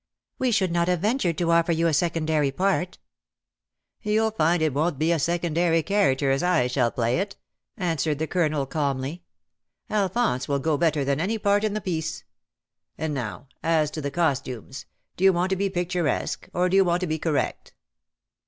" We should not have ventured to offer you a secondary part.' *•'^ You^ll find it won't be a secondary character as I shall play it,'' answered the Colonel, calmly. " Alphonse will go better than any part in the piece. And now as to the costumes. Do you want to be picturesque, or do you want to be correct